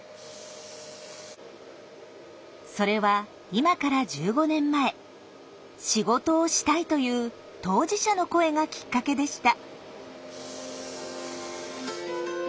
それは今から１５年前「仕事をしたい」という当事者の声がきっかけでした。